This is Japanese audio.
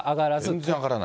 全然上がらない。